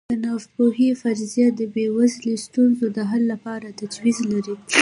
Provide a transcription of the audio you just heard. د ناپوهۍ فرضیه د بېوزلۍ ستونزې د حل لپاره تجویز لري.